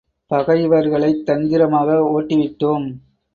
பகைவர்களைத் தந்திரமாக ஓட்டிவிட்டோம்.